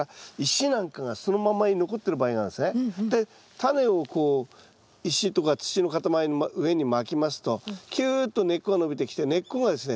でタネをこう石とか土の塊の上にまきますとキューッと根っこが伸びてきて根っこがですね